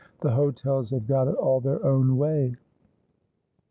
The hotels have got it all their own way.'